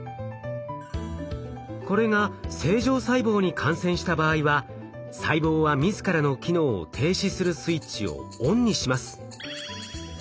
これが正常細胞に感染した場合は細胞は自らの機能を停止するスイッチをＯＮにします。